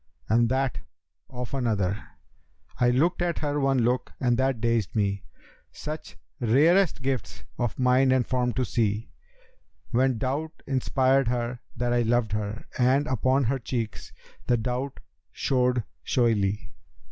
And that of another, 'I looked at her one look and that dazed me * Such rarest gifts of mind and form to see, When doubt inspired her that I loved her, and * Upon her cheeks the doubt showed showily.'